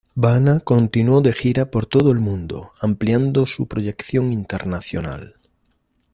Bana continuó de gira por todo el mundo, ampliando su proyección internacional.